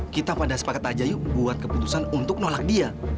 kita pada sepakat aja yuk buat keputusan untuk nolak dia